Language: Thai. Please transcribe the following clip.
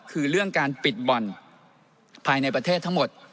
คือเรื่องการปิดบ่อนภายในประเทศทั้งหมด